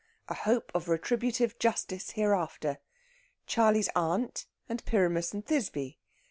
A HOPE OF RETRIBUTIVE JUSTICE HEREAFTER. CHARLEY'S AUNT, AND PYRAMUS AND THISBE.